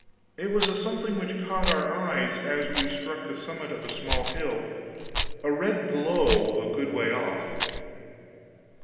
This was a something which caught our eyes as we struck the summit of a small hill a red glow, a good way off.